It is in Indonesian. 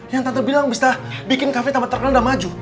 yang tante bilang bisa bikin cafe terkenal dan maju